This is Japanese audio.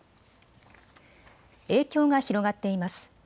影響が広がっています。